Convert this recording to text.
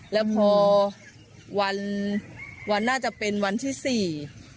แล้วพอวันวันน่าจะเป็นวันที่สี่